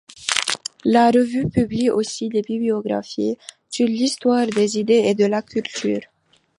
La revue publie aussi des bibliographies sur l'histoire des idées et de la culture.